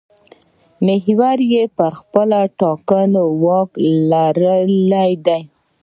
محور یې پر خپله ټاکنه واک لرل دي.